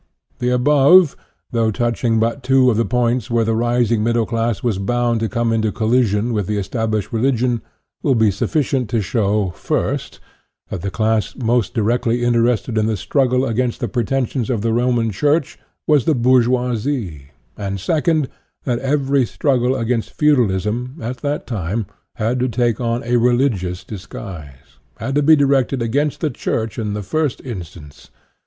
The above, though touching but two of the points where the rising middle class was bound to come into collision with the established re ligion, will be sufficient to show, first, that the, class most directly interested in the struggle against the pretensions of the Roman Church was the bourgeoisie; and second, that every struggle against feudalism, at that time, had to take on a religious disguise, had to be directed against the Church in the first instance.